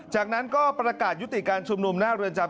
จากนั้นก็ประกาศยุติการชุมนุมหน้าเรือนจำ